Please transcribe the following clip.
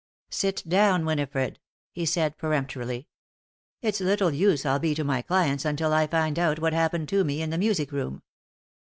"Sit down, Winifred," he said, peremptorily. "It's little use I'll be to my clients until I find out what happened to me in the music room.